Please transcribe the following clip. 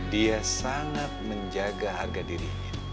dia sangat menjaga harga dirinya